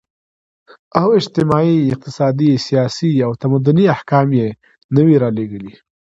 او اجتماعي، اقتصادي ، سياسي او تمدني احكام ئي نوي راليږلي